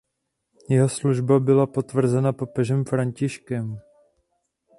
Jeho služba byla potvrzena papežem Františkem.